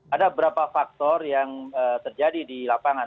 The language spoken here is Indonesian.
ada beberapa faktor yang terjadi di lapangan